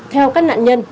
theo các nạn nhân